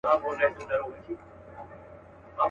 کلونه کیږي د ځنګله پر څنډه.